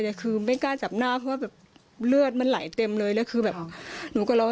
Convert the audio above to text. แล้วคือไม่กล้าจับหน้าเพื่อเลือดมันไหลเต็มเลยและคือนูก็ลอง